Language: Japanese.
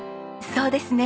そうですね。